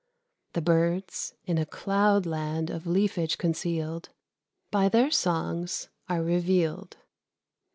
The birds, in a cloudland of leafage concealed, By their songs are revealed.